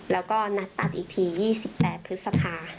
แล้วก็นัดตัดอีกที๒๘พฤษภา